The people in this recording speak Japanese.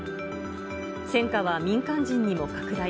戦禍は民間人にも拡大。